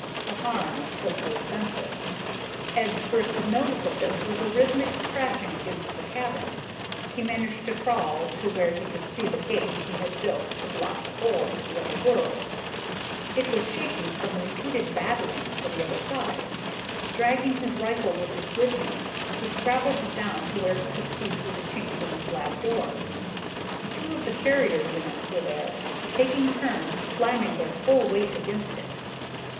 The Harn took the offensive. Ed's first notice of this was a rhythmic crashing outside the cabin. He managed to crawl to where he could see the gate he had built to block the hole into the other world. It was shaking from repeated batterings from the other side. Dragging his rifle with his good hand, he scrabbled down to where he could see through the chinks in the slab door. Two of the carrier units were there, taking turns slamming their full weight against it.